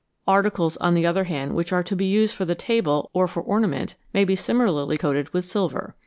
Articles, on the other hand, which are to be used for the table or for ornament may be similarly coated with silver.